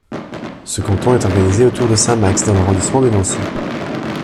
Ce canton est organisé autour de Saint-Max dans l'arrondissement de Nancy.